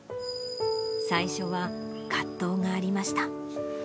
最初は葛藤がありました。